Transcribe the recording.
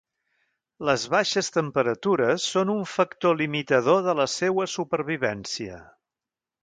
Les baixes temperatures són un factor limitador de la seua supervivència.